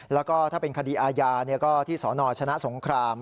แล้วก็ถ้าเป็นคดีอาญาก็ที่สนชนะสงคราม